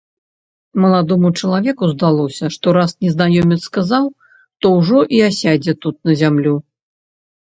Маладому чалавеку здалося, што раз незнаёмец сказаў, то ўжо і асядзе тут на зямлю.